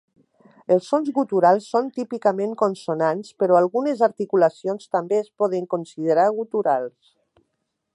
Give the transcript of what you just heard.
Els sons guturals són típicament consonants, però algunes articulacions també es poden considerar guturals.